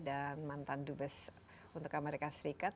dan mantan dubes untuk amerika serikat